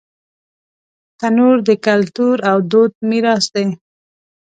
تنور د کلتور او دود میراث دی